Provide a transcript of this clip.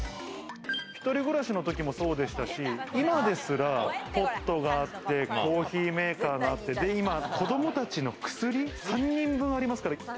一人暮らしの時もそうでしたし、今ですらポットがあって、コーヒーメーカーがあって、子供たちの薬、３人分ありますから。